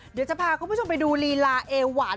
เดี๋ยวจะพาคุณผู้ชมไปดูลีลาเอหวาน